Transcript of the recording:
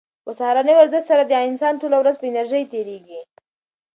په سهارني ورزش سره د انسان ټوله ورځ په انرژۍ تېریږي.